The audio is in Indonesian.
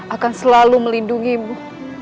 akan selalu melindungimu